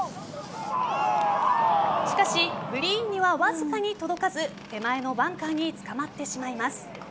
しかしグリーンにはわずかに届かず手前のバンカーにつかまってしまいます。